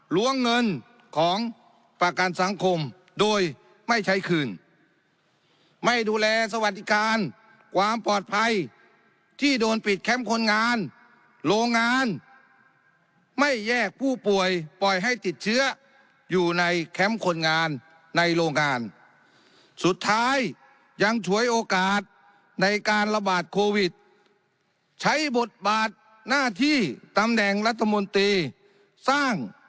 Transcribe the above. ล้วงเงินของประกันสังคมโดยไม่ใช้คืนไม่ดูแลสวัสดิการความปลอดภัยที่โดนปิดแคมป์คนงานโรงงานไม่แยกผู้ป่วยปล่อยให้ติดเชื้ออยู่ในแคมป์คนงานในโรงงานสุดท้ายยังฉวยโอกาสในการระบาดโควิดใช้บทบาทหน้าที่ตำแหน่งรัฐมนตรีสร้าง